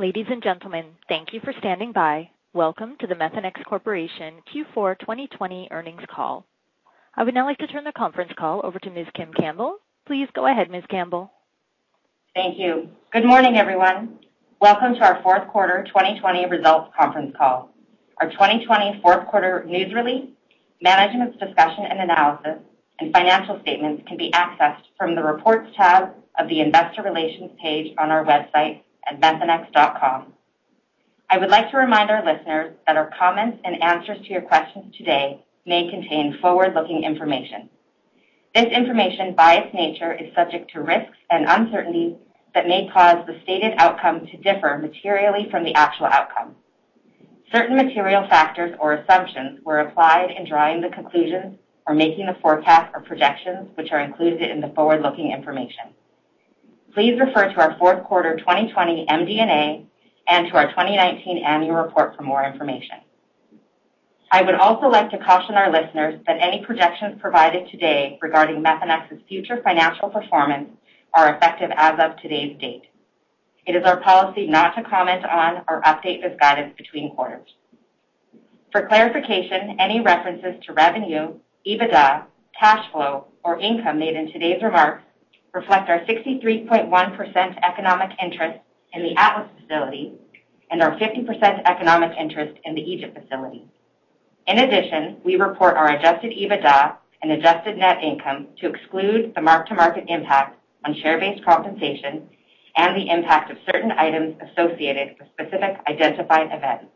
Ladies and gentlemen, thank you for standing by. Welcome to the Methanex Corporation Q4 2020 earnings call. I would now like to turn the conference call over to Ms. Kim Campbell. Please go ahead, Ms. Campbell. Thank you. Good morning, everyone. Welcome to our fourth quarter 2020 results conference call. Our 2020 fourth quarter news release, management's discussion and analysis, and financial statements can be accessed from the Reports tab of the investor relations page on our website at methanex.com. I would like to remind our listeners that our comments and answers to your questions today may contain forward-looking information. This information, by its nature, is subject to risks and uncertainties that may cause the stated outcome to differ materially from the actual outcome. Certain material factors or assumptions were applied in drawing the conclusions or making the forecasts or projections, which are included in the forward-looking information. Please refer to our fourth quarter 2020 MD&A and to our 2019 annual report for more information. I would also like to caution our listeners that any projections provided today regarding Methanex's future financial performance are effective as of today's date. It is our policy not to comment on or update this guidance between quarters. For clarification, any references to revenue, EBITDA, cash flow, or income made in today's remarks reflect our 63.1% economic interest in the Atlas facility and our 50% economic interest in the Egypt facility. In addition, we report our adjusted EBITDA and adjusted net income to exclude the mark-to-market impact on share-based compensation and the impact of certain items associated with specific identified events.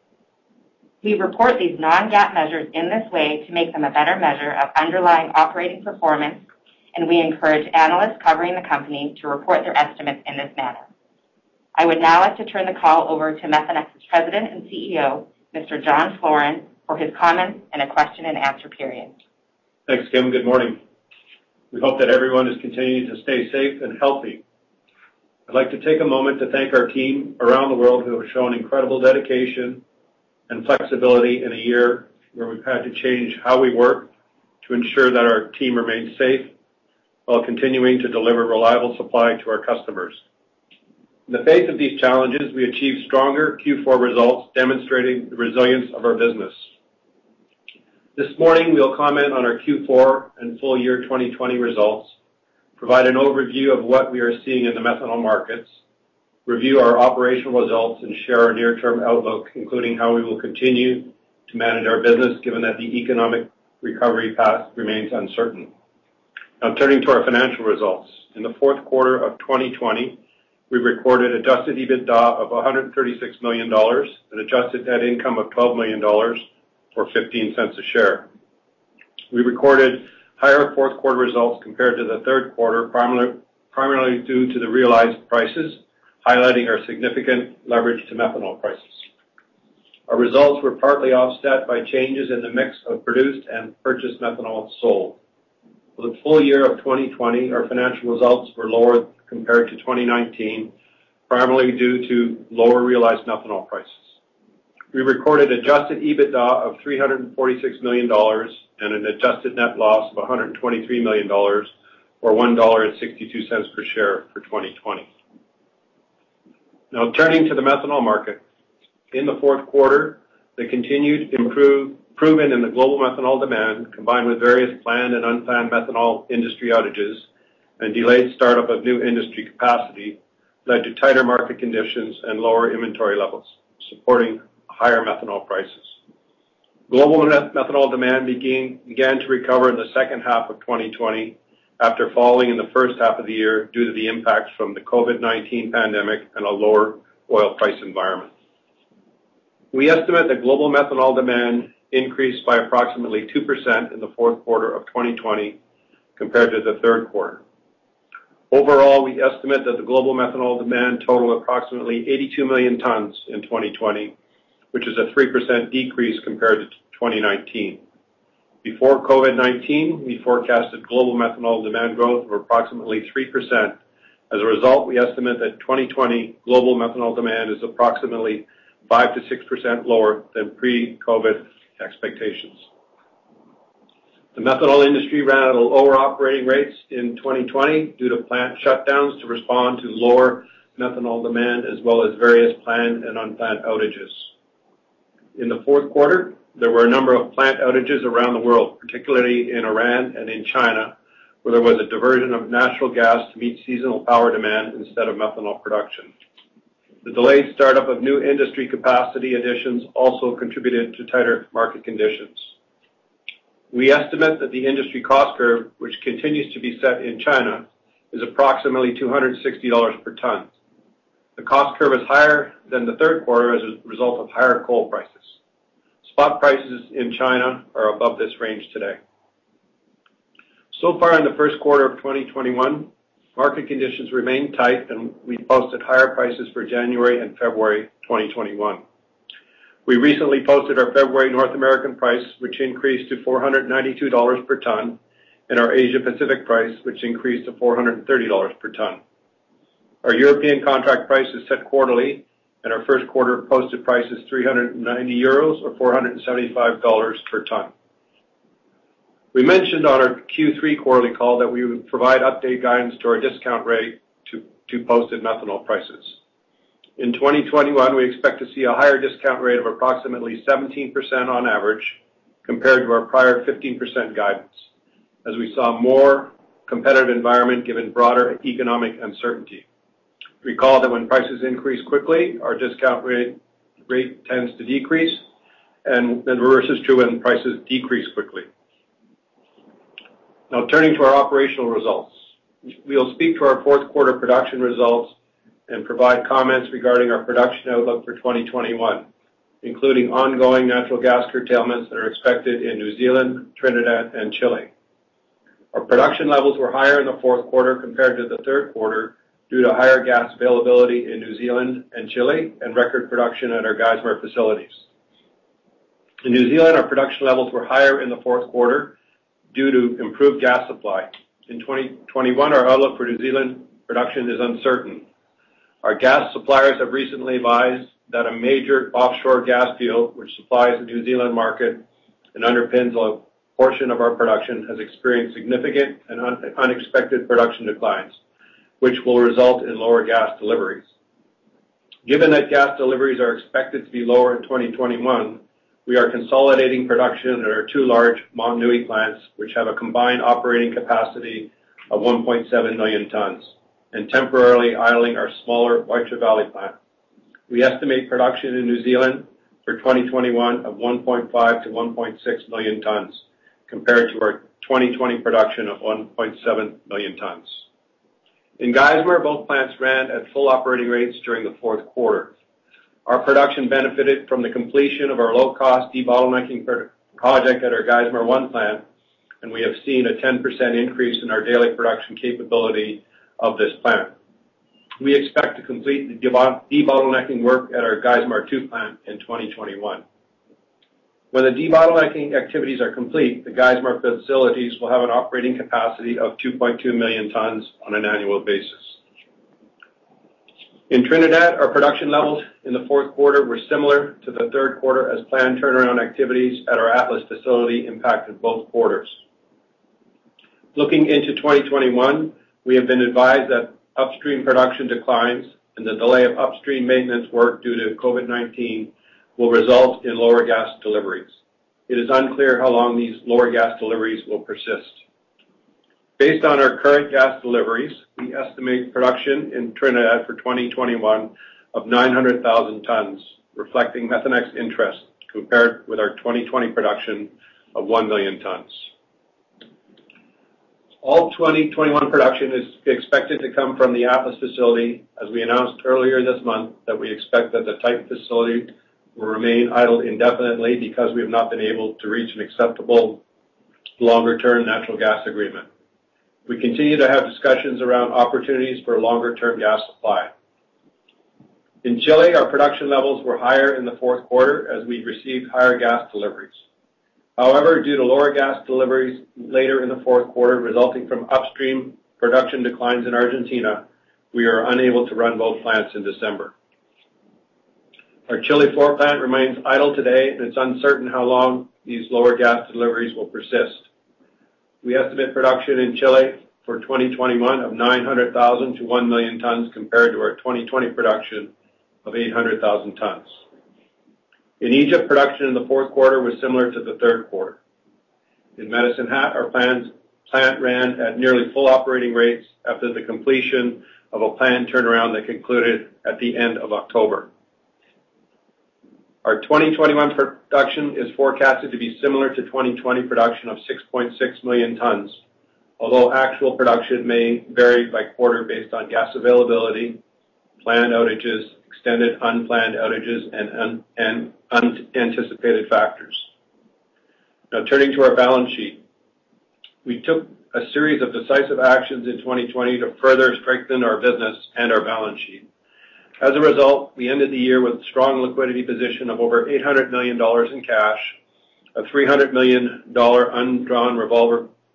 We report these non-GAAP measures in this way to make them a better measure of underlying operating performance, and we encourage analysts covering the company to report their estimates in this manner. I would now like to turn the call over to Methanex's President and Chief Executive Officer, Mr. John Floren, for his comments and a question and answer period. Thanks, Kim. Good morning. We hope that everyone is continuing to stay safe and healthy. I'd like to take a moment to thank our team around the world who have shown incredible dedication and flexibility in a year where we've had to change how we work to ensure that our team remains safe while continuing to deliver reliable supply to our customers. In the face of these challenges, we achieved stronger Q4 results, demonstrating the resilience of our business. This morning, we'll comment on our Q4 and full year 2020 results, provide an overview of what we are seeing in the methanol markets, review our operational results, and share our near-term outlook, including how we will continue to manage our business given that the economic recovery path remains uncertain. Turning to our financial results. In the fourth quarter of 2020, we recorded adjusted EBITDA of $136 million and adjusted net income of $12 million, or $0.15 a share. We recorded higher fourth quarter results compared to the third quarter, primarily due to the realized prices, highlighting our significant leverage to methanol prices. Our results were partly offset by changes in the mix of produced and purchased methanol sold. For the full year of 2020, our financial results were lower compared to 2019, primarily due to lower realized methanol prices. We recorded adjusted EBITDA of $346 million and an adjusted net loss of $123 million, or $1.62 per share for 2020. Now, turning to the methanol market. In the fourth quarter, the continued improvement in the global methanol demand, combined with various planned and unplanned methanol industry outages and delayed startup of new industry capacity, led to tighter market conditions and lower inventory levels, supporting higher methanol prices. Global methanol demand began to recover in the second half of 2020 after falling in the first half of the year due to the impact from the COVID-19 pandemic and a lower oil price environment. We estimate that global methanol demand increased by approximately 2% in the fourth quarter of 2020 compared to the third quarter. Overall, we estimate that the global methanol demand totaled approximately 82 million tons in 2020, which is a 3% decrease compared to 2019. Before COVID-19, we forecasted global methanol demand growth of approximately 3%. As a result, we estimate that 2020 global methanol demand is approximately 5%-6% lower than pre-COVID expectations. The methanol industry ran at lower operating rates in 2020 due to plant shutdowns to respond to lower methanol demand as well as various planned and unplanned outages. In the fourth quarter, there were a number of plant outages around the world, particularly in Iran and in China, where there was a diversion of natural gas to meet seasonal power demand instead of methanol production. The delayed startup of new industry capacity additions also contributed to tighter market conditions. We estimate that the industry cost curve, which continues to be set in China, is approximately $260 per ton. The cost curve is higher than the third quarter as a result of higher coal prices. Spot prices in China are above this range today. So far in the first quarter of 2021, market conditions remain tight, and we posted higher prices for January and February 2021. We recently posted our February North American price, which increased to $492 per ton, and our Asia Pacific price, which increased to $430 per ton. Our European contract price is set quarterly, and our first quarter posted price is 390 euros, or $475 per ton. We mentioned on our Q3 quarterly call that we would provide update guidance to our discount rate to posted methanol prices. In 2021, we expect to see a higher discount rate of approximately 17% on average compared to our prior 15% guidance as we saw a more competitive environment given broader economic uncertainty. Recall that when prices increase quickly, our discount rate tends to decrease, and the reverse is true when prices decrease quickly. Now turning to our operational results. We'll speak to our fourth quarter production results and provide comments regarding our production outlook for 2021, including ongoing natural gas curtailments that are expected in New Zealand, Trinidad, and Chile. Our production levels were higher in the fourth quarter compared to the third quarter due to higher gas availability in New Zealand and Chile and record production at our Geismar facilities. In New Zealand, our production levels were higher in the fourth quarter due to improved gas supply. In 2021, our outlook for New Zealand production is uncertain. Our gas suppliers have recently advised that a major offshore gas field, which supplies the New Zealand market and underpins a portion of our production, has experienced significant and unexpected production declines, which will result in lower gas deliveries. Given that gas deliveries are expected to be lower in 2021, we are consolidating production at our two large Motunui plants, which have a combined operating capacity of 1.7 million tons, and temporarily idling our smaller Waitara Valley plant. We estimate production in New Zealand for 2021 of 1.5 million tons-1.6 million tons, compared to our 2020 production of 1.7 million tons. In Geismar, both plants ran at full operating rates during the fourth quarter. Our production benefited from the completion of our low-cost debottlenecking project at our Geismar 1 plant, and we have seen a 10% increase in our daily production capability of this plant. We expect to complete the debottlenecking work at our Geismar 2 plant in 2021. When the debottlenecking activities are complete, the Geismar facilities will have an operating capacity of 2.2 million tons on an annual basis. In Trinidad, our production levels in the fourth quarter were similar to the third quarter as plant turnaround activities at our Atlas facility impacted both quarters. Looking into 2021, we have been advised that upstream production declines and the delay of upstream maintenance work due to COVID-19 will result in lower gas deliveries. It is unclear how long these lower gas deliveries will persist. Based on our current gas deliveries, we estimate production in Trinidad for 2021 of 900,000 tons, reflecting Methanex interest compared with our 2020 production of 1 million tons. All 2021 production is expected to come from the Atlas facility, as we announced earlier this month that we expect that the Titan facility will remain idle indefinitely because we have not been able to reach an acceptable longer-term natural gas agreement. We continue to have discussions around opportunities for longer-term gas supply. In Chile, our production levels were higher in the fourth quarter as we received higher gas deliveries. Due to lower gas deliveries later in the fourth quarter resulting from upstream production declines in Argentina, we are unable to run both plants in December. Our Chile IV plant remains idle today, and it is uncertain how long these lower gas deliveries will persist. We estimate production in Chile for 2021 of 900,000 tons-1 million tons compared to our 2020 production of 800,000 tons. In Egypt, production in the fourth quarter was similar to the third quarter. In Medicine Hat, our plant ran at nearly full operating rates after the completion of a planned turnaround that concluded at the end of October. Our 2021 production is forecasted to be similar to 2020 production of 6.6 million tons, although actual production may vary by quarter based on gas availability, planned outages, extended unplanned outages, and unanticipated factors. Now turning to our balance sheet. We took a series of decisive actions in 2020 to further strengthen our business and our balance sheet. As a result, we ended the year with strong liquidity position of over $800 million in cash, a $300 million undrawn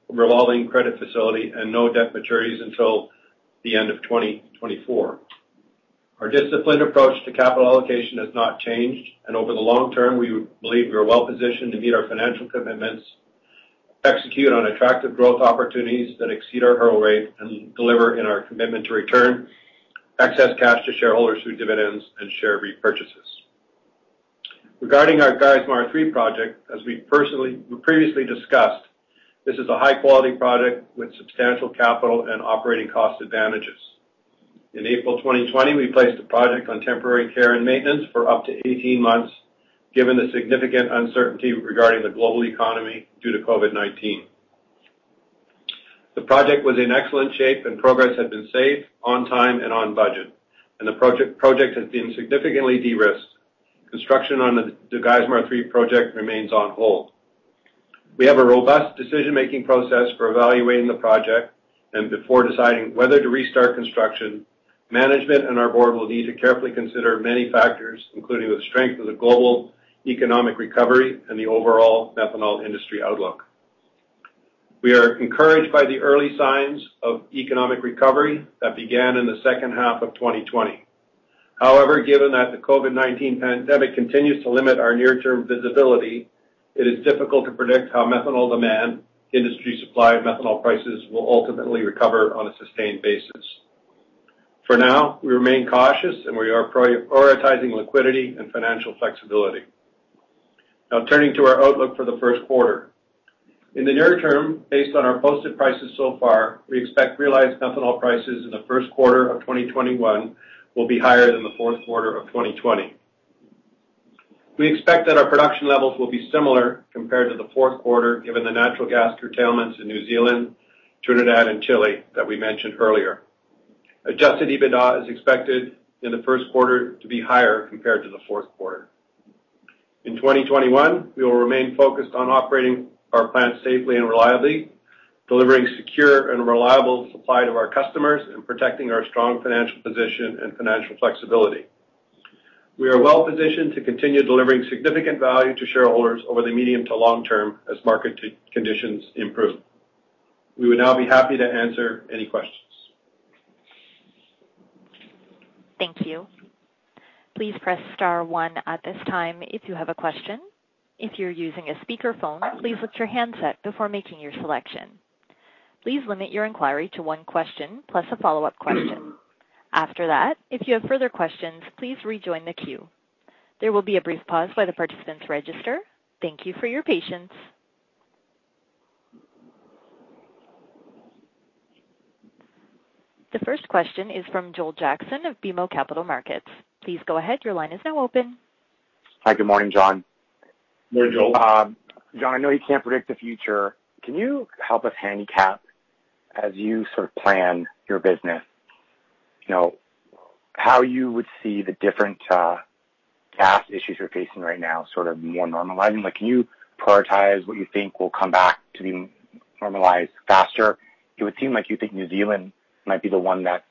revolving credit facility, and no debt maturities until the end of 2024. Our disciplined approach to capital allocation has not changed, and over the long term, we believe we are well-positioned to meet our financial commitments, execute on attractive growth opportunities that exceed our hurdle rate, and deliver in our commitment to return excess cash to shareholders through dividends and share repurchases. Regarding our Geismar 3 project, as we previously discussed, this is a high-quality project with substantial capital and operating cost advantages. In April 2020, we placed the project on temporary care and maintenance for up to 18 months given the significant uncertainty regarding the global economy due to COVID-19. The project was in excellent shape and progress had been safe, on time, and on budget, and the project has been significantly de-risked. Construction on the Geismar 3 project remains on hold. We have a robust decision-making process for evaluating the project, and before deciding whether to restart construction, management and our board will need to carefully consider many factors, including the strength of the global economic recovery and the overall methanol industry outlook. We are encouraged by the early signs of economic recovery that began in the second half of 2020. However, given that the COVID-19 pandemic continues to limit our near-term visibility, it is difficult to predict how methanol demand, industry supply, and methanol prices will ultimately recover on a sustained basis. For now, we remain cautious, and we are prioritizing liquidity and financial flexibility. Now turning to our outlook for the first quarter. In the near term, based on our posted prices so far, we expect realized methanol prices in the first quarter of 2021 will be higher than the fourth quarter of 2020. We expect that our production levels will be similar compared to the fourth quarter, given the natural gas curtailments in New Zealand, Trinidad, and Chile that we mentioned earlier. Adjusted EBITDA is expected in the first quarter to be higher compared to the fourth quarter. In 2021, we will remain focused on operating our plants safely and reliably, delivering secure and reliable supply to our customers, and protecting our strong financial position and financial flexibility. We are well-positioned to continue delivering significant value to shareholders over the medium to long term as market conditions improve. We would now be happy to answer any questions. Thank you. Please press star one at this time if you have a question, if you are using a speaker phone please lift your handset before making a selection. Please limit your enquiry to one question plus a follow up question. After that if you have further questions please rejoin the queue. There will be a brief pause while the participants register. Thank yo for your patience. The first question is from Joel Jackson of BMO Capital Markets. Please go ahead. Your line is now open. Hi. Good morning, John. Good morning, Joel. John, I know you can't predict the future. Can you help us handicap as you sort of plan your business, how you would see the different gas issues you're facing right now sort of more normalizing? Can you prioritize what you think will come back to be normalized faster? It would seem like you think New Zealand might be the one that's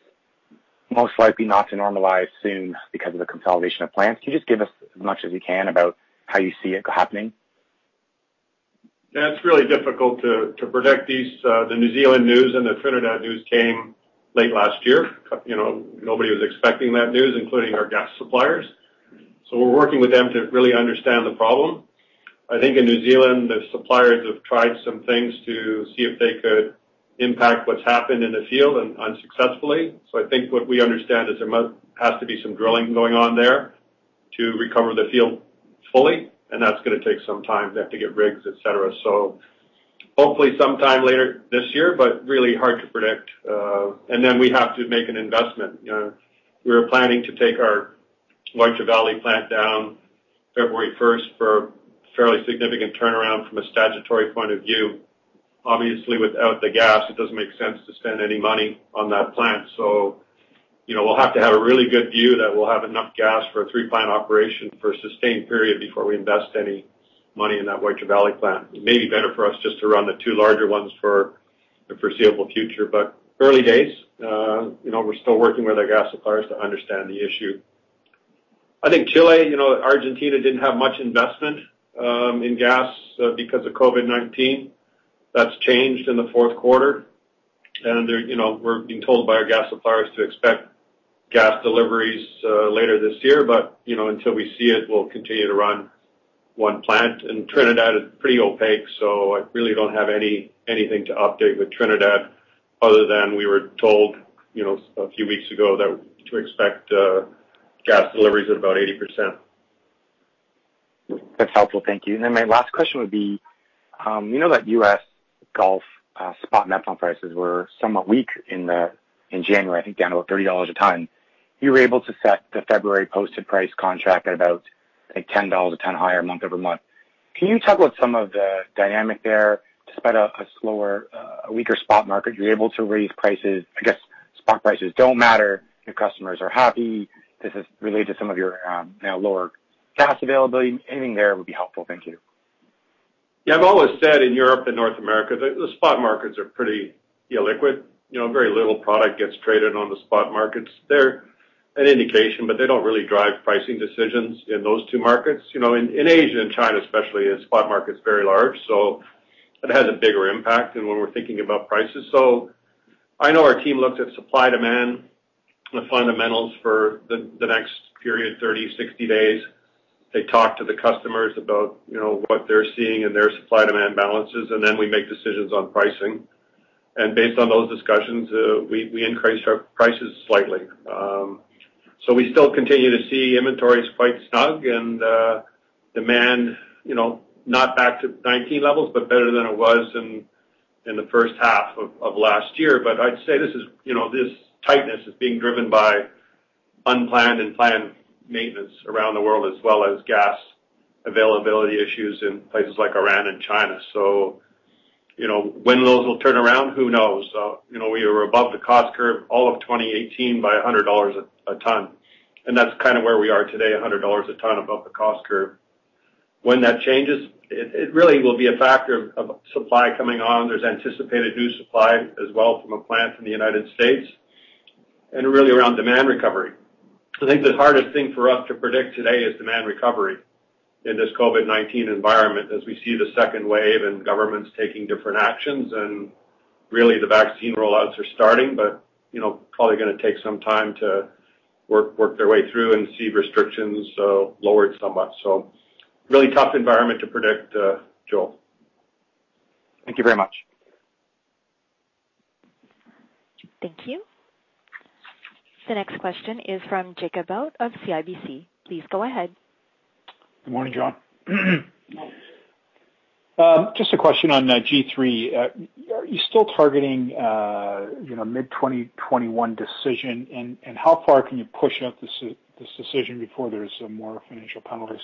most likely not to normalize soon because of the consolidation of plants. Can you just give us as much as you can about how you see it happening? That's really difficult to predict these. The New Zealand news and the Trinidad news came late last year. Nobody was expecting that news, including our gas suppliers. We're working with them to really understand the problem. I think in New Zealand, the suppliers have tried some things to see if they could impact what's happened in the field unsuccessfully. I think what we understand is there has to be some drilling going on there to recover the field fully, and that's gonna take some time. They have to get rigs, et cetera. Hopefully sometime later this year, but really hard to predict. We have to make an investment. We were planning to take our Waitara Valley plant down February 1st for a fairly significant turnaround from a statutory point of view. Without the gas, it doesn't make sense to spend any money on that plant. We'll have to have a really good view that we'll have enough gas for a three-plant operation for a sustained period before we invest any money in that Waitara Valley plant. It may be better for us just to run the two larger ones for the foreseeable future, early days. We're still working with our gas suppliers to understand the issue. I think Chile, Argentina didn't have much investment in gas because of COVID-19. That's changed in the fourth quarter. We're being told by our gas suppliers to expect gas deliveries later this year. Until we see it, we'll continue to run one plant. Trinidad is pretty opaque, so I really don't have anything to update with Trinidad other than we were told a few weeks ago to expect gas deliveries at about 80%. That's helpful. Thank you. My last question would be, we know that U.S. Gulf spot methanol prices were somewhat weak in January, I think down to about $30 a ton. You were able to set the February posted price contract at about $10 a ton higher month-over-month. Can you talk about some of the dynamic there? Despite a weaker spot market, you're able to raise prices. I guess spot prices don't matter. Your customers are happy. This is related to some of your now lower gas availability. Anything there would be helpful. Thank you. I've always said in Europe and North America, the spot markets are pretty illiquid. Very little product gets traded on the spot markets. They're an indication, but they don't really drive pricing decisions in those two markets. In Asia, and China especially, the spot market's very large. It has a bigger impact in when we're thinking about prices. I know our team looked at supply-demand fundamentals for the next period, 30, 60 days. They talked to the customers about what they're seeing in their supply-demand balances. We make decisions on pricing. Based on those discussions, we increased our prices slightly. We still continue to see inventories quite snug and demand not back to 2019 levels, but better than it was in the first half of last year. I'd say this tightness is being driven by unplanned and planned maintenance around the world as well as gas availability issues in places like Iran and China. When those will turn around, who knows? We were above the cost curve all of 2018 by $100 a ton, and that's kind of where we are today, $100 a ton above the cost curve. When that changes, it really will be a factor of supply coming on. There's anticipated new supply as well from a plant in the United States and really around demand recovery. I think the hardest thing for us to predict today is demand recovery. In this COVID-19 environment, as we see the second wave and governments taking different actions, and really the vaccine rollouts are starting, but probably going to take some time to work their way through and see restrictions lowered somewhat. Really tough environment to predict, Joel. Thank you very much. Thank you. The next question is from Jacob Bout of CIBC. Please go ahead. Good morning, John. Just a question on G3. Are you still targeting mid-2021 decision, and how far can you push out this decision before there's more financial penalties?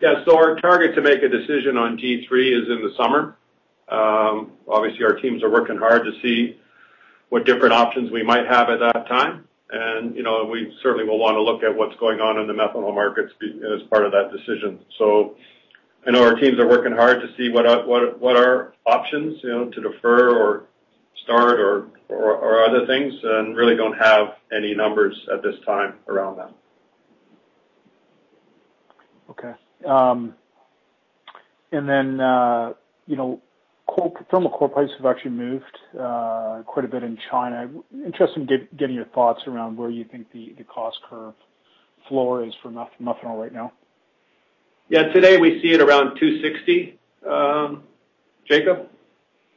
Yeah. Our target to make a decision on G3 is in the summer. Obviously, our teams are working hard to see what different options we might have at that time. We certainly will want to look at what's going on in the methanol markets as part of that decision. I know our teams are working hard to see what are options to defer or start or other things, and really don't have any numbers at this time around that. Okay. Thermal coal prices have actually moved quite a bit in China. Interested in getting your thoughts around where you think the cost curve floor is for methanol right now. Yeah. Today, we see it around $260, Jacob.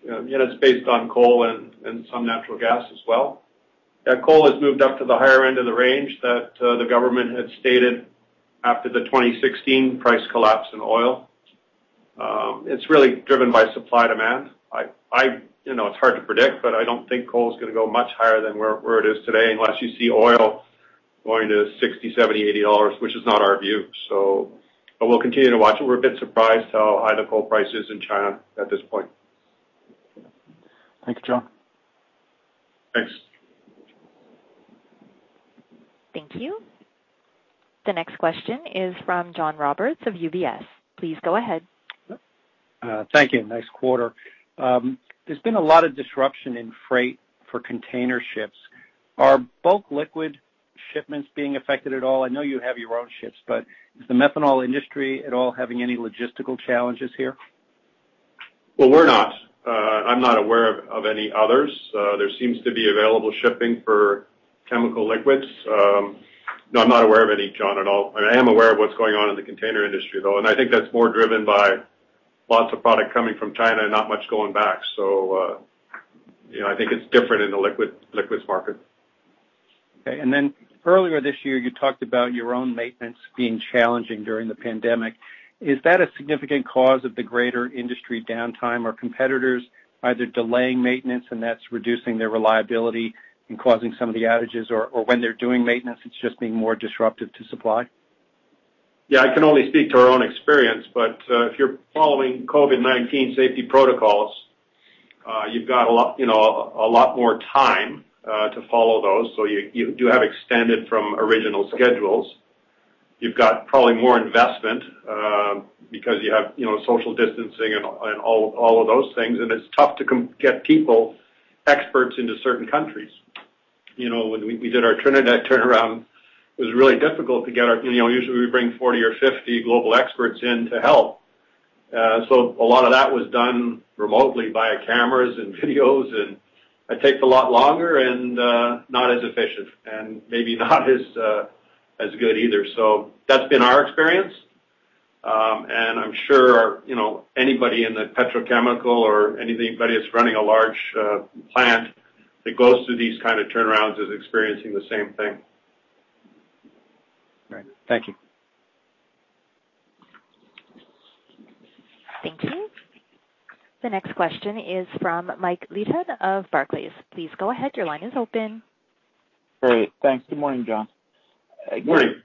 Again, it's based on coal and some natural gas as well. Yeah, coal has moved up to the higher end of the range that the government had stated after the 2016 price collapse in oil. It's really driven by supply-demand. It's hard to predict, but I don't think coal is going to go much higher than where it is today, unless you see oil going to $60, $70, $80, which is not our view. We'll continue to watch it. We're a bit surprised how high the coal price is in China at this point. Okay. Thank you, John. Thanks. Thank you. The next question is from John Roberts of UBS. Please go ahead. Thank you. Nice quarter. There's been a lot of disruption in freight for container ships. Are bulk liquid shipments being affected at all? I know you have your own ships, but is the methanol industry at all having any logistical challenges here? Well, we're not. I'm not aware of any others. There seems to be available shipping for chemical liquids. No, I'm not aware of any, John, at all. I am aware of what's going on in the container industry, though, and I think that's more driven by lots of product coming from China, not much going back. I think it's different in the liquids market. Okay. Earlier this year, you talked about your own maintenance being challenging during the pandemic. Is that a significant cause of the greater industry downtime? Are competitors either delaying maintenance and that's reducing their reliability and causing some of the outages? When they're doing maintenance, it's just being more disruptive to supply? Yeah, I can only speak to our own experience, but if you're following COVID-19 safety protocols, you've got a lot more time to follow those, you do have extended from original schedules. You've got probably more investment because you have social distancing and all of those things, and it's tough to get people, experts into certain countries. When we did our Trinidad turnaround, it was really difficult to get our usually, we bring 40 or 50 global experts in to help. A lot of that was done remotely via cameras and videos, and it takes a lot longer and not as efficient and maybe not as good either. That's been our experience. I'm sure anybody in the petrochemical or anybody that's running a large plant that goes through these kind of turnarounds is experiencing the same thing. All right. Thank you. Thank you. The next question is from Mike Leithead of Barclays. Please go ahead, your line is open. Great. Thanks. Good morning, John. Good morning.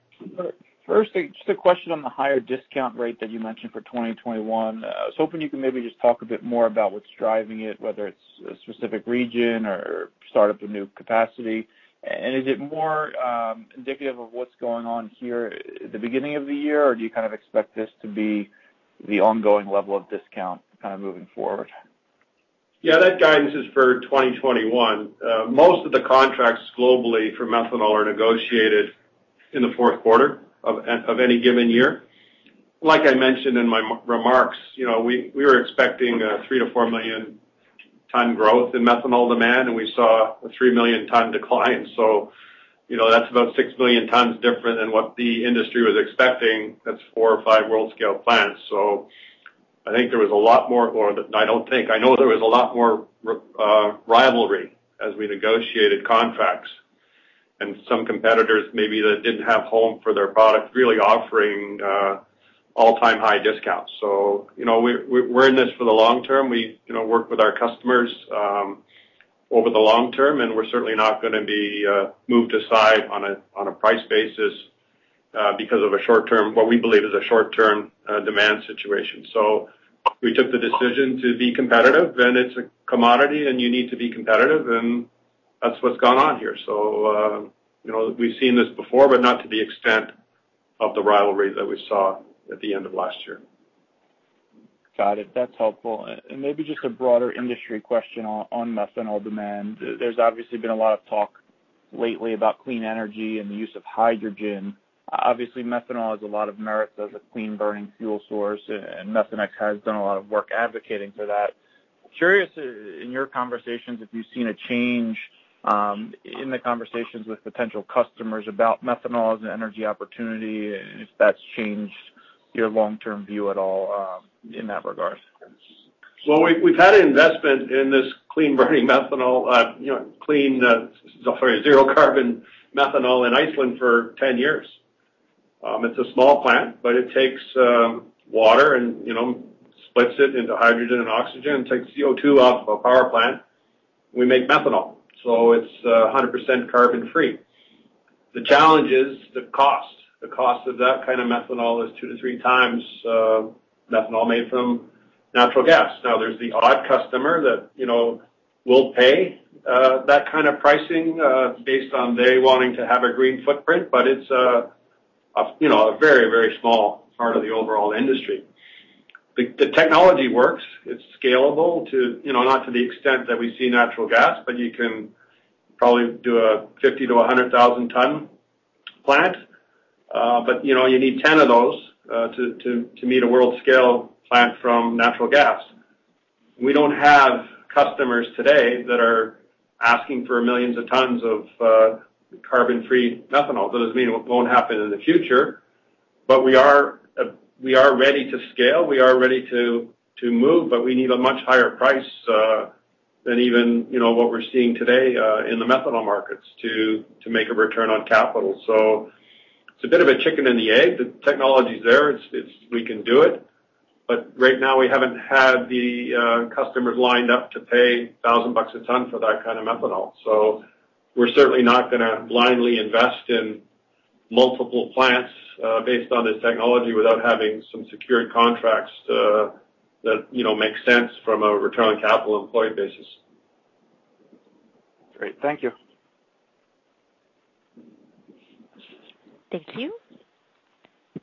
First, just a question on the higher discount rate that you mentioned for 2021. I was hoping you could maybe just talk a bit more about what's driving it, whether it's a specific region or start up of new capacity. Is it more indicative of what's going on here at the beginning of the year, or do you kind of expect this to be the ongoing level of discount moving forward? That guidance is for 2021. Most of the contracts globally for methanol are negotiated in the fourth quarter of any given year. I mentioned in my remarks, we were expecting a 3 million-4 million tons growth in methanol demand, we saw a 3 million tons decline. That's about 6 million tons different than what the industry was expecting. That's four or five world scale plants. I know there was a lot more rivalry as we negotiated contracts and some competitors maybe that didn't have home for their product, really offering all-time high discounts. We're in this for the long term. We work with our customers over the long term, and we're certainly not gonna be moved aside on a price basis because of a short-term, what we believe is a short-term demand situation. We took the decision to be competitive, and it's a commodity, and you need to be competitive, and that's what's gone on here. We've seen this before, but not to the extent of the rivalry that we saw at the end of last year. Got it. That's helpful. Maybe just a broader industry question on methanol demand. There's obviously been a lot of talk lately about clean energy and the use of hydrogen. Obviously, methanol has a lot of merits as a clean burning fuel source, and Methanex has done a lot of work advocating for that. Curious, in your conversations, if you've seen a change in the conversations with potential customers about methanol as an energy opportunity, and if that's changed your long-term view at all in that regards? Well, we've had investment in this clean burning methanol, sorry, zero carbon methanol in Iceland for 10 years. It's a small plant, but it takes water and splits it into hydrogen and oxygen and takes CO2 off a power plant. We make methanol, so it's 100% carbon free. The challenge is the cost. The cost of that kind of methanol is two to three times methanol made from natural gas. Now, there's the odd customer that will pay that kind of pricing based on they wanting to have a green footprint, but it's a very small part of the overall industry. The technology works. It's scalable, not to the extent that we see natural gas, but you can probably do a 50,000 tons-100,000 tons plant. You need 10 of those to meet a world scale plant from natural gas. We don't have customers today that are asking for millions of tons of carbon free methanol. Doesn't mean it won't happen in the future, we are ready to scale, we are ready to move, but we need a much higher price than even what we're seeing today in the methanol markets to make a return on capital. It's a bit of a chicken and the egg. The technology's there. We can do it. Right now, we haven't had the customers lined up to pay $1,000 a ton for that kind of methanol. We're certainly not going to blindly invest in multiple plants based on this technology without having some secured contracts that make sense from a return on capital employed basis. Great. Thank you. Thank you.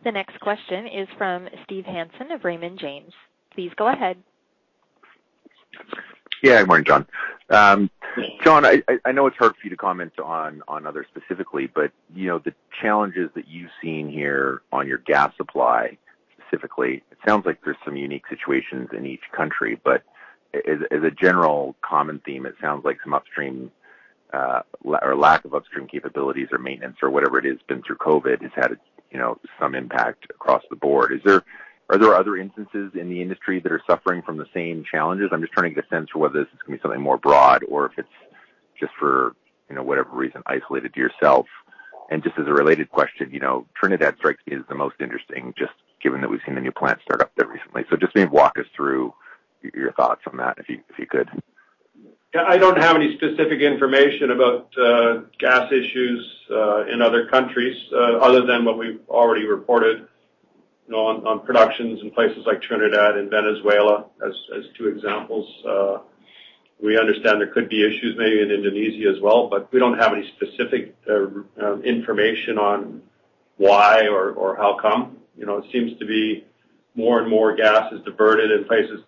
The next question is from Steve Hansen of Raymond James. Please go ahead. Yeah. Good morning, John. John, I know it's hard for you to comment on others specifically, but the challenges that you've seen here on your gas supply specifically, it sounds like there's some unique situations in each country, but as a general common theme, it sounds like some upstream, or lack of upstream capabilities or maintenance or whatever it is, been through COVID, has had some impact across the board. Are there other instances in the industry that are suffering from the same challenges? I'm just trying to get a sense for whether this is going to be something more broad or if it's just for whatever reason, isolated to yourself. Just as a related question, Trinidad strikes me as the most interesting, just given that we've seen the new plant start up there recently. Just maybe walk us through your thoughts on that, if you could. Yeah. I don't have any specific information about gas issues in other countries other than what we've already reported on productions in places like Trinidad and Venezuela as two examples. We understand there could be issues maybe in Indonesia as well, but we don't have any specific information on why or how come. It seems to be more and more gas is diverted in places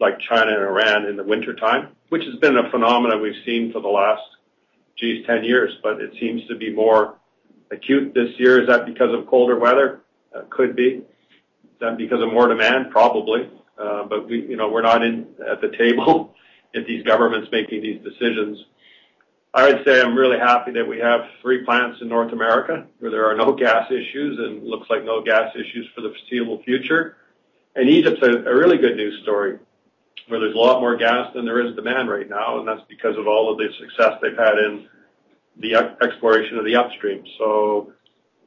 like China and Iran in the wintertime, which has been a phenomenon we've seen for the last, geez, 10 years, but it seems to be more acute this year. Is that because of colder weather? Could be. Is that because of more demand? Probably. We're not at the table at these governments making these decisions. I would say I'm really happy that we have three plants in North America where there are no gas issues, looks like no gas issues for the foreseeable future. Egypt's a really good news story where there's a lot more gas than there is demand right now, that's because of all of the success they've had in the exploration of the upstream.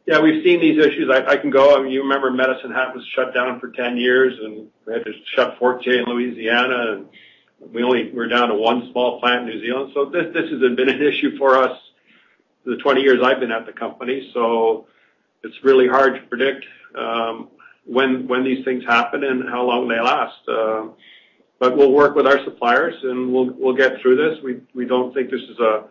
Yeah, we've seen these issues. I can go on. You remember Medicine Hat was shut down for 10 years, we had to shut Fortier in Louisiana, we're down to one small plant in New Zealand. This has been an issue for us for the 20 years I've been at the company. It's really hard to predict when these things happen and how long they last. We'll work with our suppliers and we'll get through this. We don't think this is a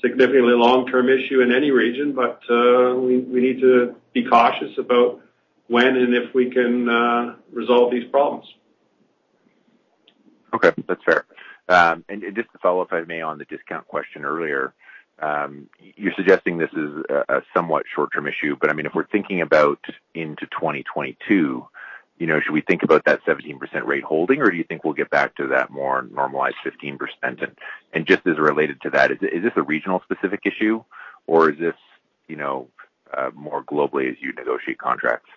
significantly long-term issue in any region, but we need to be cautious about when and if we can resolve these problems. Okay. That's fair. Just to follow up, if I may, on the discount question earlier. You're suggesting this is a somewhat short-term issue, but if we're thinking about into 2022, should we think about that 17% rate holding, or do you think we'll get back to that more normalized 15%? Just as related to that, is this a regional specific issue or is this more globally as you negotiate contracts?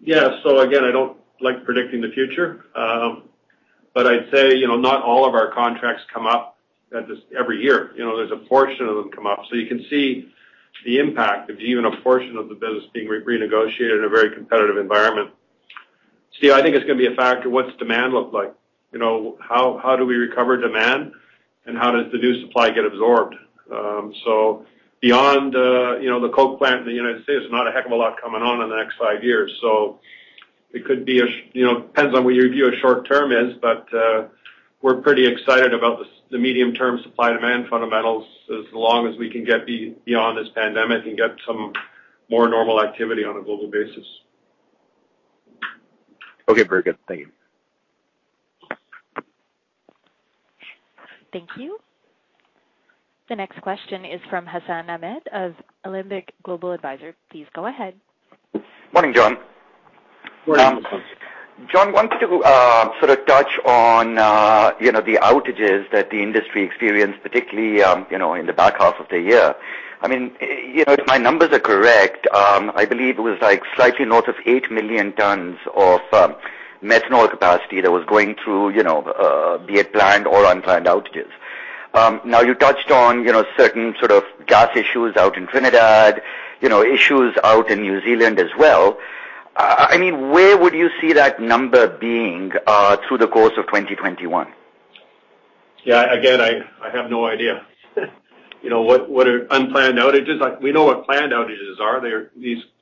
Yeah. Again, I don't like predicting the future. I'd say, not all of our contracts come up every year. There's a portion of them come up. You can see the impact of even a portion of the business being renegotiated in a very competitive environment. Steve, I think it's going to be a factor what's demand look like. How do we recover demand and how does the new supply get absorbed? Beyond the Koch plant in the United States, there's not a heck of a lot coming on in the next five years. It depends on what your view of short term is. We're pretty excited about the medium-term supply-demand fundamentals, as long as we can get beyond this pandemic and get some more normal activity on a global basis. Okay. Very good. Thank you. Thank you. The next question is from Hassan Ahmed of Alembic Global Advisors. Please go ahead. Morning, John. Morning. John, wanted to sort of touch on the outages that the industry experienced, particularly in the back half of the year. If my numbers are correct, I believe it was slightly north of 8 million tons of methanol capacity that was going through, be it planned or unplanned outages. You touched on certain sort of gas issues out in Trinidad, issues out in New Zealand as well. Where would you see that number being through the course of 2021? Yeah. Again, I have no idea. What are unplanned outages like? We know what planned outages are.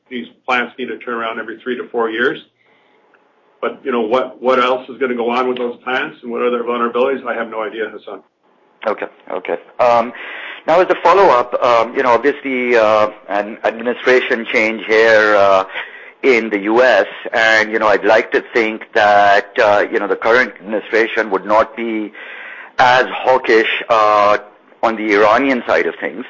These plants need to turn around every three to four years. What else is going to go on with those plants and what are their vulnerabilities? I have no idea, Hassan. Okay. As a follow-up, obviously an administration change here in the U.S., I'd like to think that the current administration would not be as hawkish on the Iranian side of things.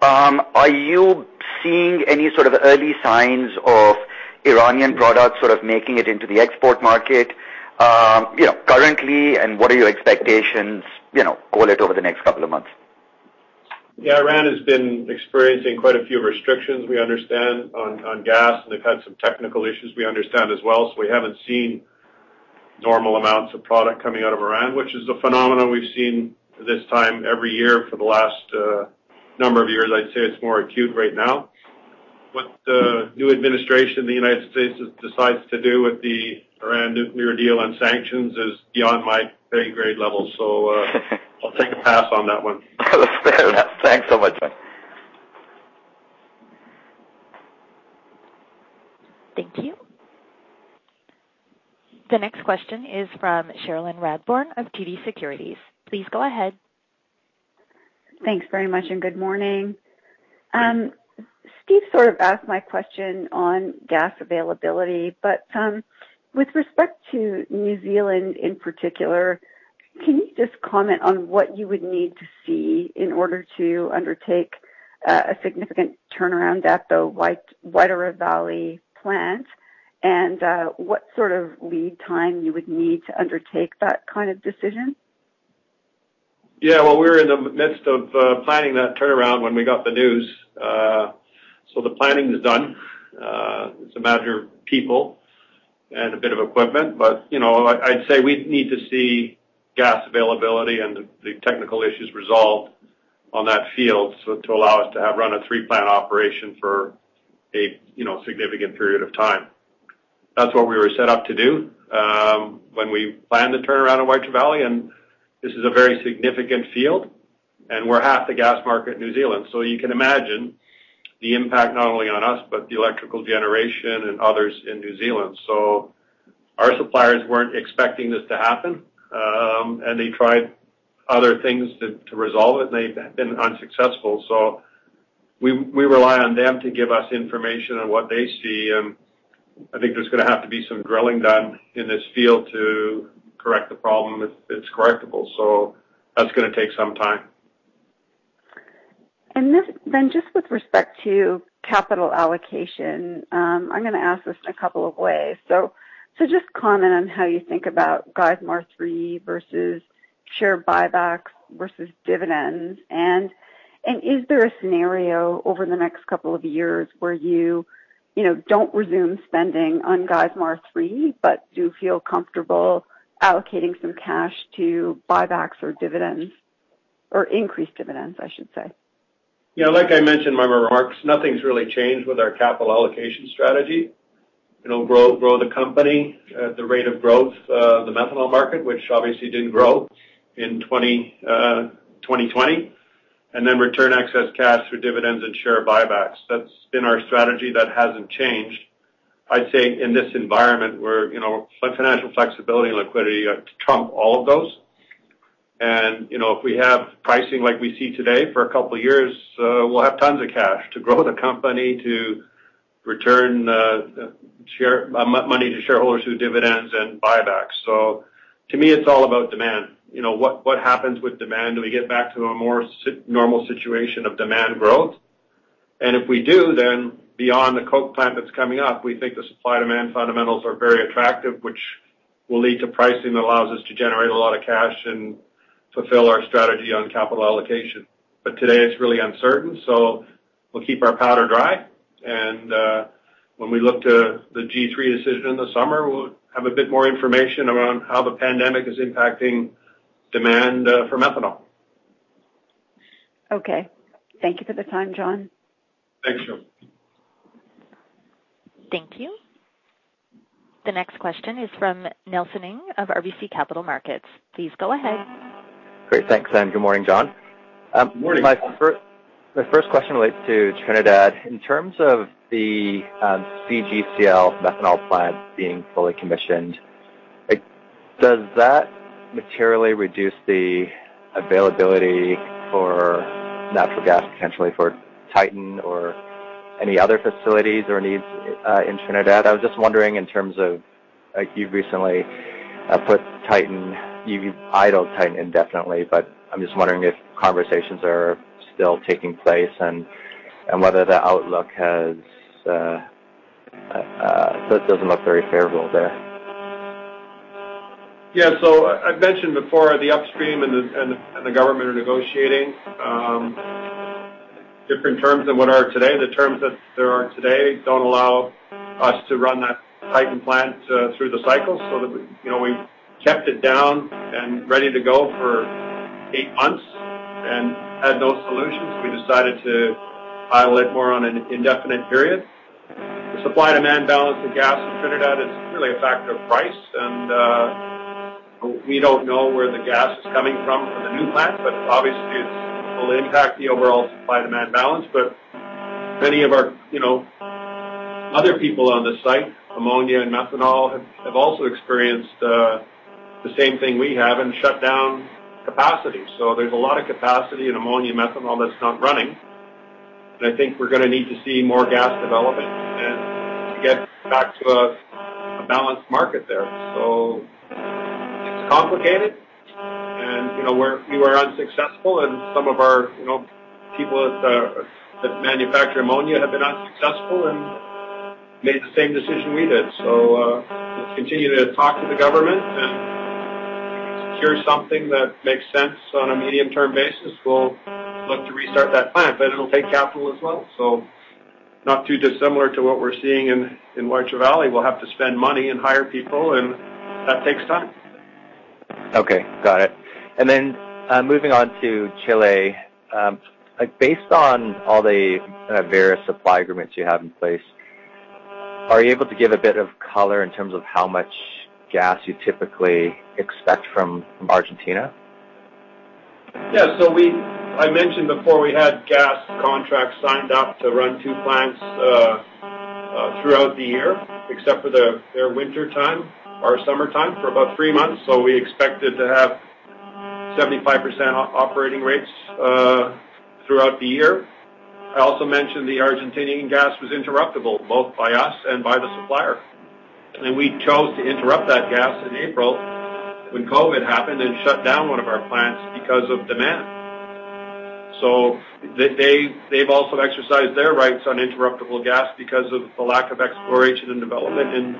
Are you seeing any sort of early signs of Iranian products sort of making it into the export market currently, and what are your expectations call it over the next couple of months? Yeah. Iran has been experiencing quite a few restrictions, we understand, on gas, and they've had some technical issues we understand as well. We haven't seen normal amounts of product coming out of Iran, which is a phenomenon we've seen this time every year for the last number of years. I'd say it's more acute right now. What the new administration in the United States decides to do with the Iran nuclear deal on sanctions is beyond my pay grade level. I'll take a pass on that one. That's fair enough. Thanks so much. Thank you. The next question is from Cherilyn Radbourne of TD Securities. Please go ahead. Thanks very much. Good morning. Steve sort of asked my question on gas availability. With respect to New Zealand in particular, can you just comment on what you would need to see in order to undertake a significant turnaround at the Waitara Valley plant, and what sort of lead time you would need to undertake that kind of decision? Yeah. Well, we were in the midst of planning that turnaround when we got the news. The planning is done. It's a matter of people and a bit of equipment, but I'd say we need to see gas availability and the technical issues resolved on that field to allow us to run a three-plant operation for a significant period of time. That's what we were set up to do when we planned the turnaround at Waitara Valley, and this is a very significant field, and we're half the gas market in New Zealand. You can imagine the impact not only on us, but the electrical generation and others in New Zealand. Our suppliers weren't expecting this to happen, and they tried other things to resolve it, and they've been unsuccessful. We rely on them to give us information on what they see, and I think there's gonna have to be some drilling done in this field to correct the problem, if it's correctable. That's gonna take some time. Just with respect to capital allocation, I'm gonna ask this in a couple of ways. Just comment on how you think about Geismar 3 versus share buybacks versus dividends, and is there a scenario over the next couple of years where you don't resume spending on Geismar 3, but do feel comfortable allocating some cash to buybacks or dividends? Increased dividends, I should say. Like I mentioned in my remarks, nothing's really changed with our capital allocation strategy. Grow the company at the rate of growth of the methanol market, which obviously didn't grow in 2020, and then return excess cash through dividends and share buybacks. That's been our strategy. That hasn't changed. I'd say in this environment where financial flexibility and liquidity trump all of those. If we have pricing like we see today for a couple of years, we'll have tons of cash to grow the company, to return money to shareholders through dividends and buybacks. To me, it's all about demand. What happens with demand? Do we get back to a more normal situation of demand growth? If we do, beyond the Koch plant that's coming up, we think the supply-demand fundamentals are very attractive, which will lead to pricing that allows us to generate a lot of cash and fulfill our strategy on capital allocation. Today, it's really uncertain, so we'll keep our powder dry. When we look to the G3 decision in the summer, we'll have a bit more information around how the pandemic is impacting demand for methanol. Okay. Thank you for the time, John. Thank you. Thank you. The next question is from Nelson Ng of RBC Capital Markets. Please go ahead. Great. Thanks, and good morning, John. Good morning. My first question relates to Trinidad. In terms of the CGCL methanol plant being fully commissioned, does that materially reduce the availability for natural gas, potentially for Titan or any other facilities or needs in Trinidad? I was just wondering in terms of, you've idled Titan indefinitely, but I'm just wondering if conversations are still taking place and whether the outlook doesn't look very favorable there. Yeah. I mentioned before, the upstream and the government are negotiating different terms than what are today. The terms that are today don't allow us to run that Titan plant through the cycle. We kept it down and ready to go for eight months and had no solutions. We decided to idle it more on an indefinite period. The supply-demand balance of gas in Trinidad is really a factor of price, and we don't know where the gas is coming from for the new plant. Obviously, it will impact the overall supply-demand balance. Many of our other people on the site, ammonia and methanol, have also experienced the same thing we have and shut down capacity. There's a lot of capacity in ammonia methanol that's not running, and I think we're going to need to see more gas development and to get back to a balanced market there. It's complicated, and we were unsuccessful and some of our people that manufacture ammonia have been unsuccessful and made the same decision we did. We'll continue to talk to the government, and if we can secure something that makes sense on a medium-term basis, we'll look to restart that plant. It'll take capital as well, so not too dissimilar to what we're seeing in Waitara Valley. We'll have to spend money and hire people, and that takes time. Okay, got it. Moving on to Chile. Based on all the various supply agreements you have in place, are you able to give a bit of color in terms of how much gas you typically expect from Argentina? I mentioned before, we had gas contracts signed up to run two plants throughout the year, except for their wintertime, our summertime, for about three months. We expected to have 75% operating rates throughout the year. I also mentioned the Argentinian gas was interruptible, both by us and by the supplier. We chose to interrupt that gas in April when COVID-19 happened and shut down one of our plants because of demand. They've also exercised their rights on interruptible gas because of the lack of exploration and development in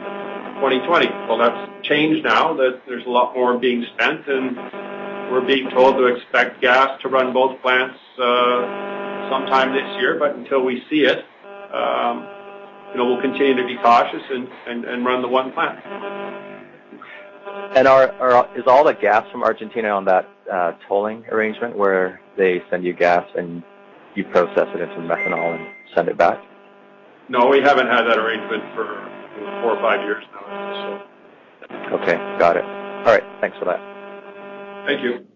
2020. Well, that's changed now that there's a lot more being spent, and we're being told to expect gas to run both plants sometime this year. Until we see it, we'll continue to be cautious and run the one plant. Is all the gas from Argentina on that tolling arrangement where they send you gas, and you process it into methanol and send it back? No, we haven't had that arrangement for four or five years now. Okay, got it. All right, thanks for that. Thank you.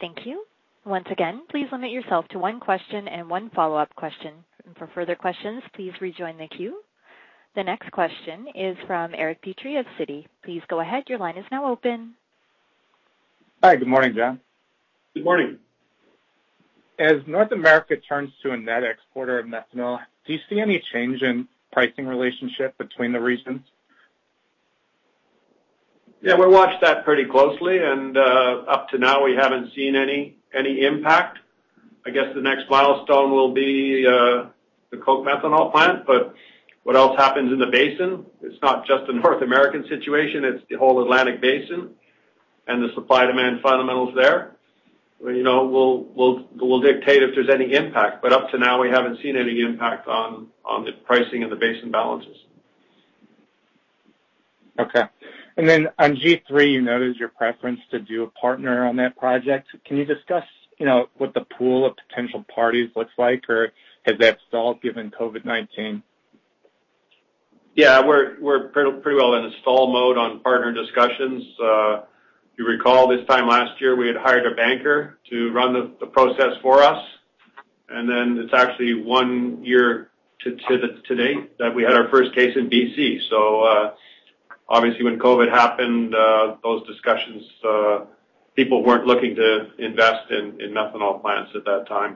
Thank you. Once again, please limit yourself to one question and one follow-up question. For further questions, please rejoin the queue. The next question is from Eric Petrie of Citi. Please go ahead. Your line is now open. Hi. Good morning, John. Good morning. As North America turns to a net exporter of methanol, do you see any change in pricing relationship between the regions? Yeah, we watch that pretty closely, and up to now, we haven't seen any impact. I guess the next milestone will be the Koch Methanol plant. What else happens in the basin? It's not just a North American situation, it's the whole Atlantic basin and the supply-demand fundamentals there will dictate if there's any impact. Up to now, we haven't seen any impact on the pricing and the basin balances. Okay. On G3, you noted your preference to do a partner on that project. Can you discuss what the pool of potential parties looks like, or has that stalled given COVID-19? Yeah, we're pretty well in a stall mode on partner discussions. You recall this time last year, we had hired a banker to run the process for us. It's actually one year to date that we had our first case in B.C. Obviously when COVID happened, those discussions, people weren't looking to invest in methanol plants at that time.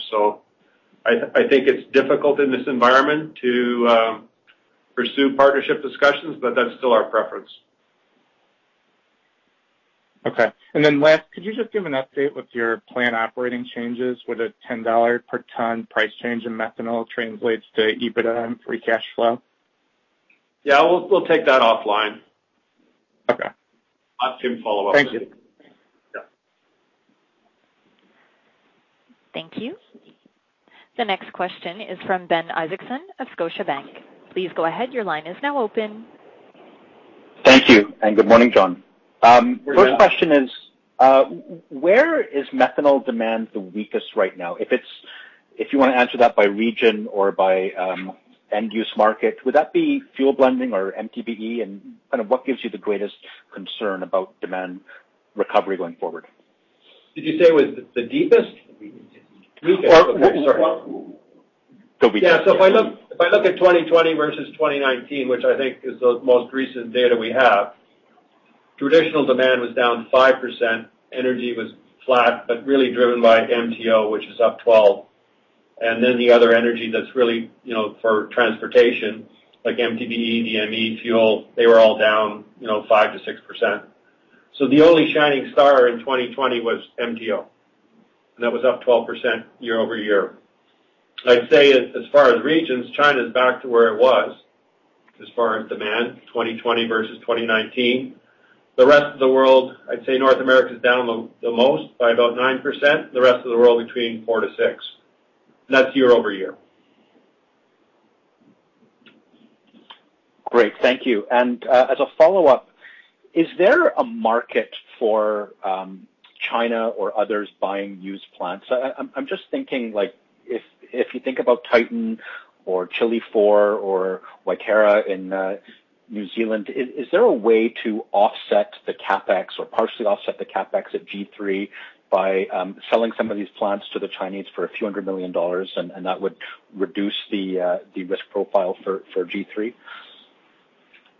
I think it's difficult in this environment to pursue partnership discussions, but that's still our preference. Okay. Last, could you just give an update with your plan operating changes with a $10 per ton price change in methanol translates to EBITDA and free cash flow? Yeah, we'll take that offline. Okay. Have Kim follow up with you. Thank you. Yeah. Thank you. The next question is from Ben Isaacson of Scotiabank. Please go ahead. Your line is now open. Thank you, and good morning, John. Good morning. First question is, where is methanol demand the weakest right now? If you want to answer that by region or by end-use market, would that be fuel blending or MTBE? What gives you the greatest concern about demand recovery going forward? Did you say it was the deepest? Sorry. If I look at 2020 versus 2019, which I think is the most recent data we have, traditional demand was down 5%, energy was flat, but really driven by MTO, which is up 12%. The other energy that's really for transportation, like MTBE, DME fuel, they were all down, 5%-6%. The only shining star in 2020 was MTO, and that was up 12% year-over-year. I'd say, as far as regions, China's back to where it was, as far as demand, 2020 versus 2019. The rest of the world, I'd say North America's down the most by about 9%, the rest of the world between 4%-6%. That's year-over-year. Great, thank you. As a follow-up, is there a market for China or others buying used plants? I'm just thinking, if you think about Titan or Chile IV or Waitara in New Zealand, is there a way to offset the CapEx or partially offset the CapEx at G3 by selling some of these plants to the Chinese for a few $100 million, and that would reduce the risk profile for G3?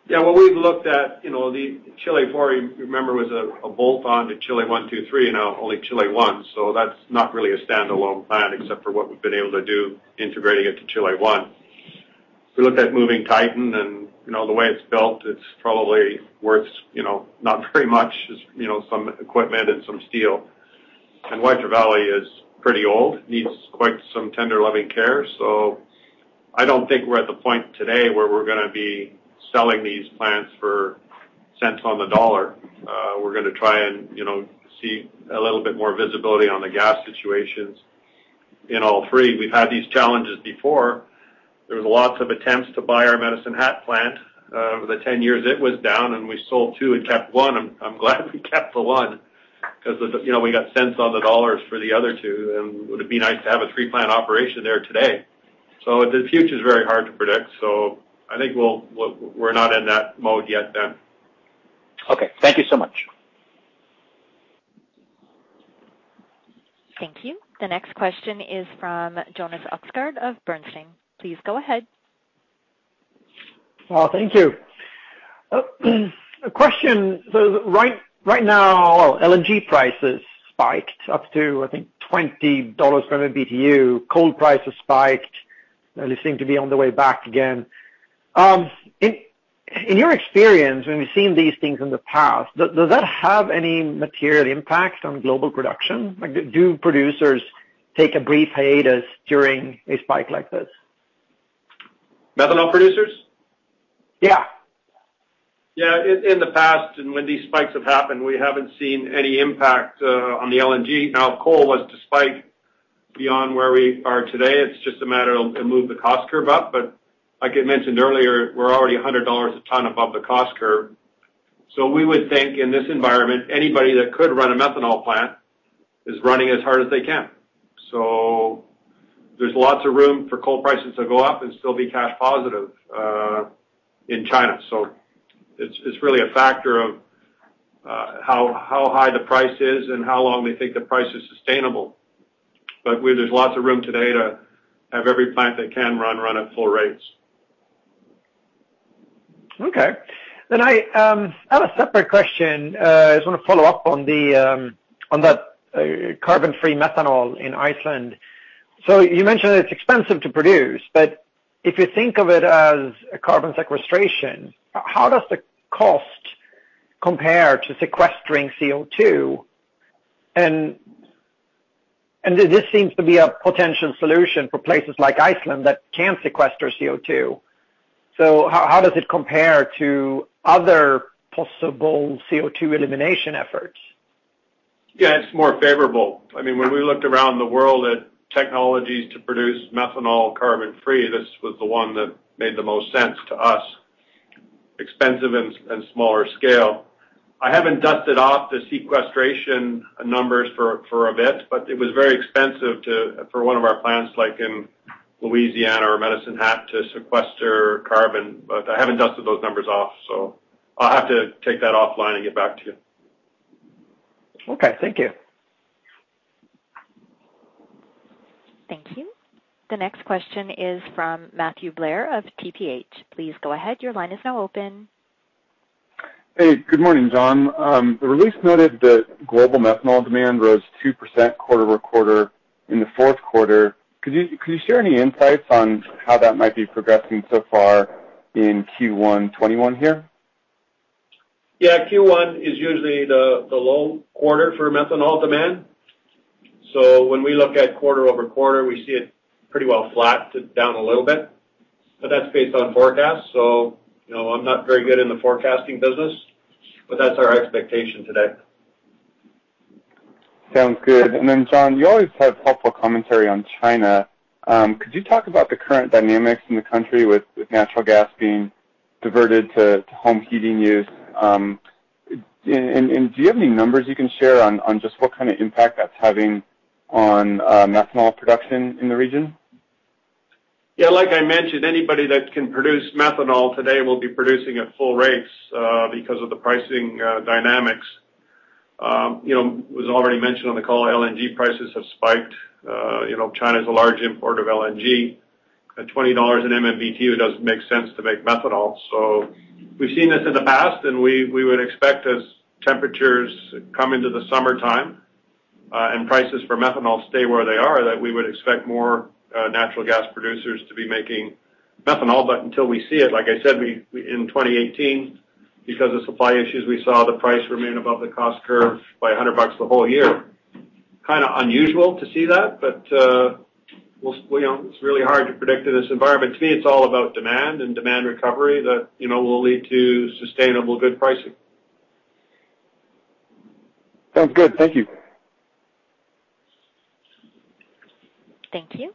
Yeah. Well, we've looked at the Chile IV, you remember, was a bolt-on to Chile I, II, III, now only Chile I. That's not really a standalone plant except for what we've been able to do integrating it to Chile I. We looked at moving Titan, and the way it's built, it's probably worth not very much. It's some equipment and some steel. Waitara Valley is pretty old, needs quite some tender loving care. I don't think we're at the point today where we're gonna be selling these plants for cents on the dollar. We're gonna try and see a little bit more visibility on the gas situations in all three. We've had these challenges before. There was lots of attempts to buy our Medicine Hat plant over the 10 years it was down, and we sold two and kept one. I'm glad we kept the one because we got cents on the dollars for the other two, and would it be nice to have a three-plant operation there today. The future's very hard to predict. I think we're not in that mode yet, Ben. Okay. Thank you so much. Thank you. The next question is from Jonas Oxgaard of Bernstein. Please go ahead. Thank you. A question. Right now, LNG prices spiked up to, I think, $20 MMBtu. Coal prices spiked. They seem to be on the way back again. In your experience, when we've seen these things in the past, does that have any material impact on global production? Do producers take a brief hiatus during a spike like this? Methanol producers? Yeah. Yeah. In the past, when these spikes have happened, we haven't seen any impact on the LNG. Now, coal was to spike beyond where we are today. It's just a matter of to move the cost curve up. Like I mentioned earlier, we're already $100 a ton above the cost curve. We would think in this environment, anybody that could run a methanol plant is running as hard as they can. There's lots of room for coal prices to go up and still be cash positive in China. It's really a factor of how high the price is and how long they think the price is sustainable. There's lots of room today to have every plant that can run at full rates. I have a separate question. I just want to follow up on the carbon-free methanol in Iceland. You mentioned that it's expensive to produce, but if you think of it as a carbon sequestration, how does the cost compare to sequestering CO2? This seems to be a potential solution for places like Iceland that can sequester CO2. How does it compare to other possible CO2 elimination efforts? Yeah, it's more favorable. When we looked around the world at technologies to produce methanol carbon-free, this was the one that made the most sense to us, expensive and smaller scale. I haven't dusted off the sequestration numbers for a bit, it was very expensive for one of our plants, like in Louisiana or Medicine Hat, to sequester carbon. I haven't dusted those numbers off, so I'll have to take that offline and get back to you. Okay. Thank you. Thank you. The next question is from Matthew Blair of TPH. Please go ahead. Hey, good morning, John. The release noted that global methanol demand rose 2% quarter-over-quarter in the fourth quarter. Could you share any insights on how that might be progressing so far in Q1 2021 here? Yeah. Q1 is usually the low quarter for methanol demand. When we look at quarter-over-quarter, we see it pretty well flat to down a little bit. That's based on forecasts, so I'm not very good in the forecasting business, but that's our expectation today. Sounds good. John, you always have helpful commentary on China. Could you talk about the current dynamics in the country with natural gas being Diverted to home heating use. Do you have any numbers you can share on just what kind of impact that's having on methanol production in the region? Yeah, like I mentioned, anybody that can produce methanol today will be producing at full rates because of the pricing dynamics. It was already mentioned on the call, LNG prices have spiked. China's a large importer of LNG. At $20 an MMBtu, it doesn't make sense to make methanol. We've seen this in the past, and we would expect, as temperatures come into the summertime and prices for methanol stay where they are, that we would expect more natural gas producers to be making methanol. Until we see it, like I said, in 2018, because of supply issues, we saw the price remain above the cost curve by $100 the whole year. Kind of unusual to see that, but it's really hard to predict in this environment. To me, it's all about demand and demand recovery that will lead to sustainable good pricing. Sounds good. Thank you. Thank you.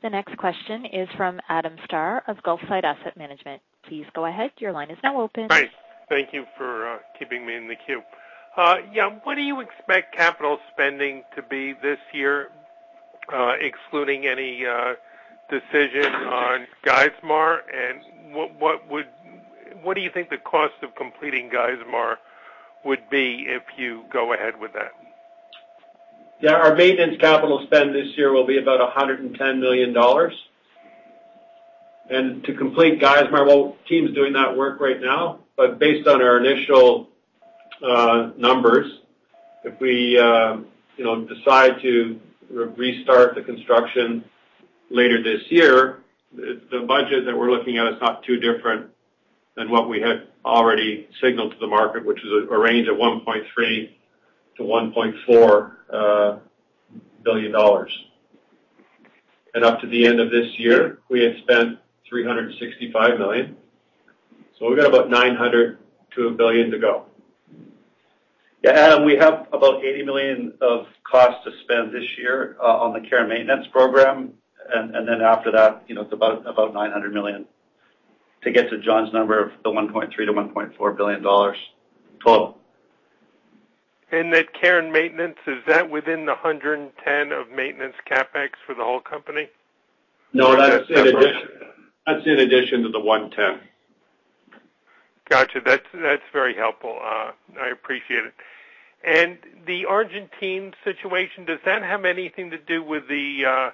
The next question is from Adam Starr of Gulfside Asset Management. Please go ahead. Your line is now open. Hi. Thank you for keeping me in the queue. Yeah. What do you expect capital spending to be this year, excluding any decision on Geismar? What do you think the cost of completing Geismar would be if you go ahead with that? Yeah. Our maintenance capital spend this year will be about $110 million. To complete Geismar, well, team's doing that work right now, but based on our initial numbers, if we decide to restart the construction later this year, the budget that we're looking at is not too different than what we had already signaled to the market, which is a range of $1.3 billion-$1.4 billion. Up to the end of this year, we had spent $365 million. We've got about $900 million-$1 billion to go. Yeah, Adam, we have about $80 million of cost to spend this year on the care and maintenance program. Then after that, it's about $900 million to get to John's number of the $1.3 billion-$1.4 billion total. That care and maintenance, is that within the $110 of maintenance CapEx for the whole company? No, that's in addition to the $110. Got you. That's very helpful. I appreciate it. The Argentine situation, does that have anything to do with the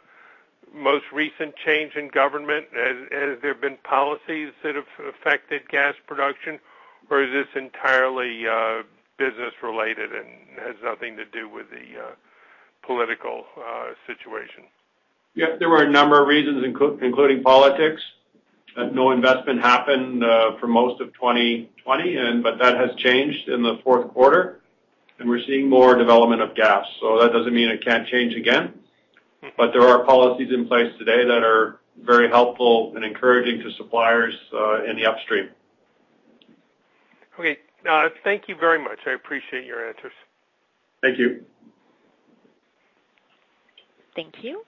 most recent change in government? Has there been policies that have affected gas production, or is this entirely business related and has nothing to do with the political situation? There were a number of reasons, including politics. No investment happened for most of 2020. That has changed in the fourth quarter. We are seeing more development of gas. That doesn't mean it can't change again. There are policies in place today that are very helpful and encouraging to suppliers in the upstream. Okay. Thank you very much. I appreciate your answers. Thank you. Thank you.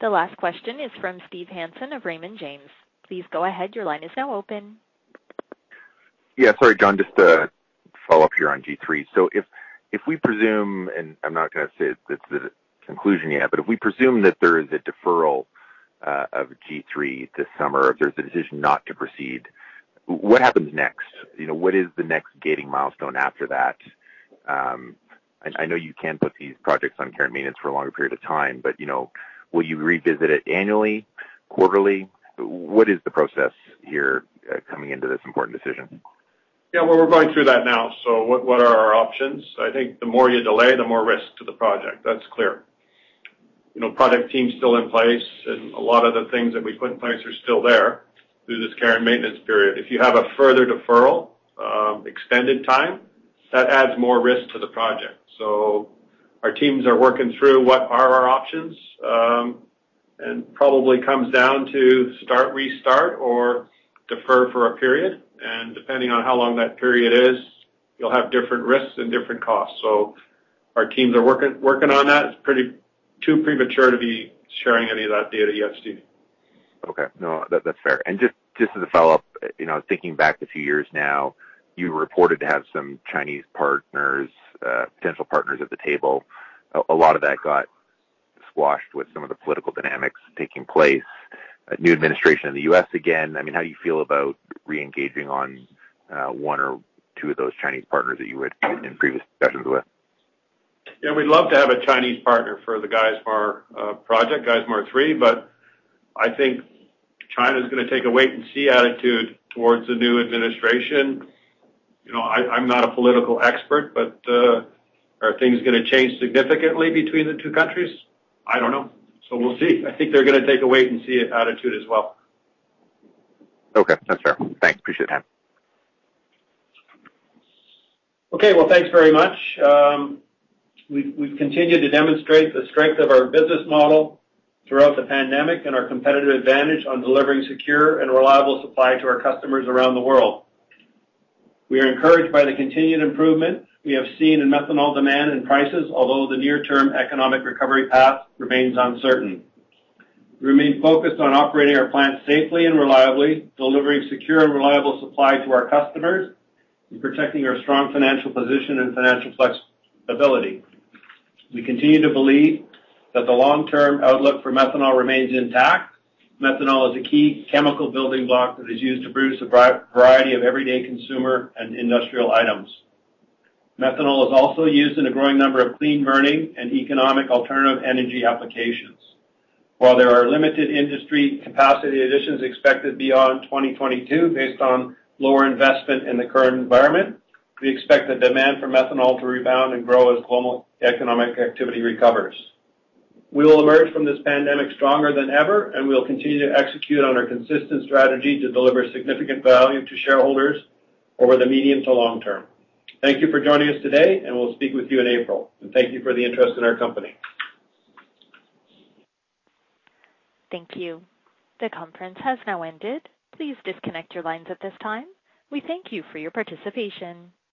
The last question is from Steve Hansen of Raymond James. Please go ahead. Your line is now open. Yeah. Sorry, John, just to follow up here on G3. If we presume, and I'm not going to say it's the conclusion yet, but if we presume that there is a deferral of G3 this summer, if there's a decision not to proceed, what happens next? What is the next gating milestone after that? I know you can put these projects on care and maintenance for a longer period of time, but will you revisit it annually, quarterly? What is the process here coming into this important decision? Yeah. Well, we're going through that now. What are our options? I think the more you delay, the more risk to the project. That's clear. Project team's still in place, and a lot of the things that we put in place are still there through this care and maintenance period. If you have a further deferral, extended time, that adds more risk to the project. Our teams are working through what are our options, and probably comes down to start, restart, or defer for a period. Depending on how long that period is, you'll have different risks and different costs. Our teams are working on that. It's too premature to be sharing any of that data yet, Steve. Okay. No, that's fair. Just as a follow-up, thinking back a few years now, you reported to have some Chinese potential partners at the table. A lot of that got squashed with some of the political dynamics taking place. A new administration in the U.S. again. How do you feel about re-engaging on one or two of those Chinese partners that you had in previous discussions with? Yeah, we'd love to have a Chinese partner for the Geismar project, Geismar 3. I think China's going to take a wait-and-see attitude towards the new administration. I'm not a political expert, are things going to change significantly between the two countries? I don't know. We'll see. I think they're going to take a wait-and-see attitude as well. Okay. That's fair. Thanks. Appreciate the time. Okay. Well, thanks very much. We've continued to demonstrate the strength of our business model throughout the pandemic and our competitive advantage on delivering secure and reliable supply to our customers around the world. We are encouraged by the continued improvement we have seen in methanol demand and prices, although the near-term economic recovery path remains uncertain. We remain focused on operating our plants safely and reliably, delivering secure and reliable supply to our customers, and protecting our strong financial position and financial flexibility. We continue to believe that the long-term outlook for methanol remains intact. Methanol is a key chemical building block that is used to produce a variety of everyday consumer and industrial items. Methanol is also used in a growing number of clean burning and economic alternative energy applications. While there are limited industry capacity additions expected beyond 2022 based on lower investment in the current environment, we expect the demand for methanol to rebound and grow as global economic activity recovers. We will emerge from this pandemic stronger than ever, and we'll continue to execute on our consistent strategy to deliver significant value to shareholders over the medium to long term. Thank you for joining us today, and we'll speak with you in April. Thank you for the interest in our company. Thank you. The conference has now ended. Please disconnect your lines at this time. We thank you for your participation.